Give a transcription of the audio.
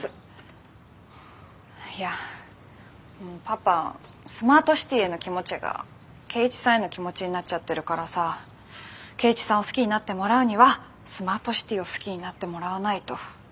いやパパスマートシティへの気持ちが圭一さんへの気持ちになっちゃってるからさ圭一さんを好きになってもらうにはスマートシティを好きになってもらわないと。